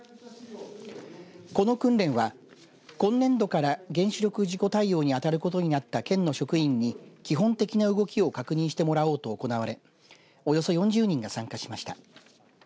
この訓練は今年度から原子力事故対応にあたることになった県の職員に基本的な動きを確認してもらおうと行われおよそ４０人が参加しました。